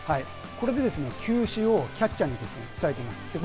これでですね、球種をキャッチャーに伝えています。